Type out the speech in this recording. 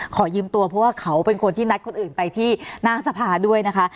ขอยืมตัวเพราะว่าเขาเป็นคนที่นัดคนอื่นไปที่นางสภาด้วยนะคะ